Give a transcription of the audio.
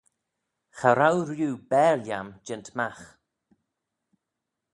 "Cha row rieau ""bare-lhiam"" jeant magh"